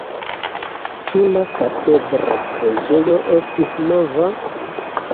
Ĉu la katedra preĝejo estis nova?